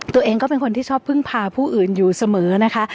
ตัวเองก็เป็นคนที่ชอบพึ่งพาผู้อื่นอยู่เสมอนะคะ